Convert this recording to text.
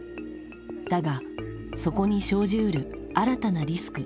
だがそこに生じうる新たなリスク。